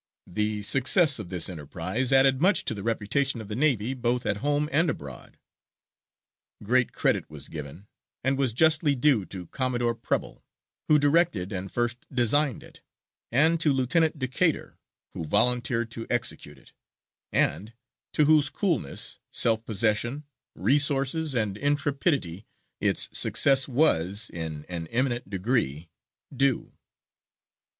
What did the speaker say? The success of this enterprise added much to the reputation of the navy, both at home and abroad. Great credit was given, and was justly due to Commodore Preble, who directed and first designed it, and to Lieutenant Decatur, who volunteered to execute it, and to whose coolness, self possession, resources, and intrepidity its success was, in an eminent degree, due."